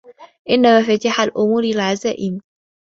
إن مفاتيح الأمور العزائم